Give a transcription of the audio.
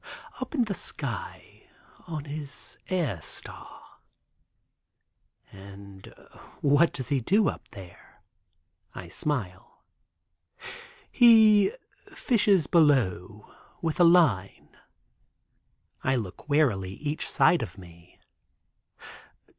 "Up in the sky on his air star." "And what does he do up there?" I smile. "He fishes below with a line." I look warily each side or me.